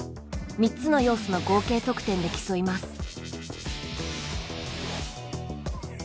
３つの要素の合計得点で競います。